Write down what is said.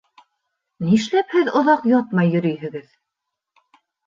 Ни эшләп һеҙ оҙаҡ ятмай йөрөйһөгөҙ?